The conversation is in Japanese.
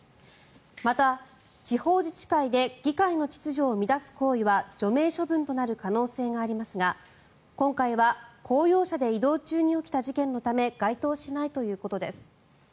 また、地方自治会で議会の秩序を乱す行為は除名処分となる可能性がありますが今回は公用車で移動中に起きた事件のため該当しないということです。